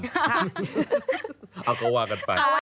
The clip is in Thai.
เอาก็ว่ากันไป